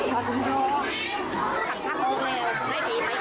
ขออนุญาตแล้วกันเรื่องนี้เนี่ยขออนุญาตแล้วกัน